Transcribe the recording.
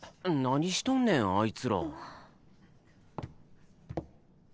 何しとんねんあいつら。